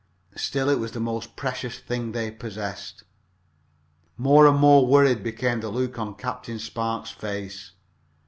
Still it was the most precious thing they possessed. More and more worried became the look on Captain Spark's face.